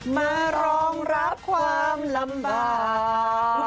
มารองรับความลำบาก